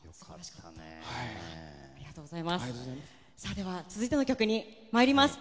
では、続いての曲に参ります。